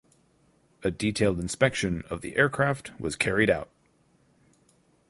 A detailed inspection of the aircraft was carried out.